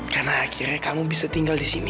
karena akhirnya kamu bisa tinggal disini